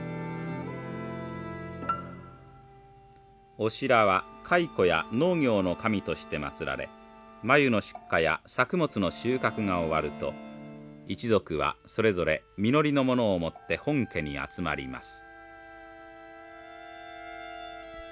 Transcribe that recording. オシラは蚕や農業の神として祭られ繭の出荷や作物の収穫が終わると一族はそれぞれ実りのものを持って本家に集まります。